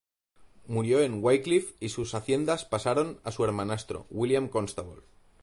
Murió en Wycliffe y sus haciendas pasaron a su hermanastro, William Constable.